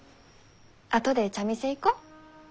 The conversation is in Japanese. あとで茶店行こう。